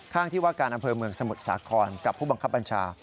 ข้างที่ว่าการอำเภอเมืองสมุทรสาครกับผู้บังคับบัญชา